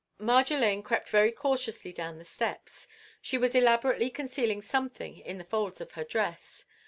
Marjolaine crept very cautiously down the steps. She was elaborately concealing something in the folds of her dress.